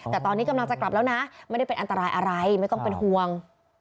แต่ตอนนี้กำลังจะกลับแล้วนะไม่ได้เป็นอันตรายอะไรไม่ต้องเป็นห่วง